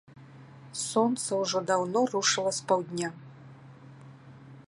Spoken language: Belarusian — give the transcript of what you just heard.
Сонца ўжо даўно рушыла з паўдня.